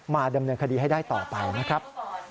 ดำเนินคดีให้ได้ต่อไปนะครับ